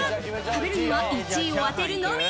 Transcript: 食べるには１位を当てるのみ。